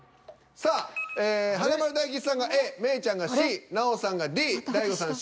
さあええ華丸大吉さんがＡ芽郁ちゃんがＣ奈緒さんがＤ大悟さん